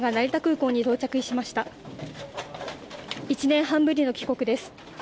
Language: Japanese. １年半ぶりの帰国です。